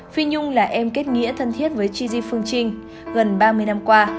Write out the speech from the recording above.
phi nhung là em kết nghĩa thân thiết với chi di phương trinh gần ba mươi năm qua